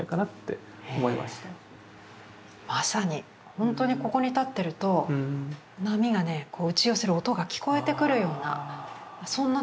まさに本当にここに立ってると波がね打ち寄せる音が聞こえてくるようなそんな空間でした。